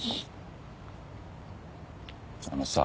あのさ。